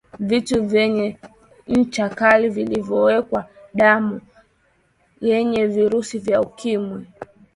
vitu vyenye ncha kali vilivyowekewa damu yenye virusi vya ukimwi